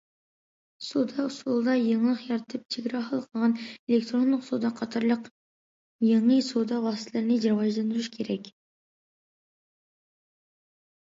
سودا ئۇسۇلىدا يېڭىلىق يارىتىپ، چېگرا ھالقىغان ئېلېكتىرونلۇق سودا قاتارلىق يېڭى سودا ۋاسىتىلىرىنى راۋاجلاندۇرۇش كېرەك.